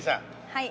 はい。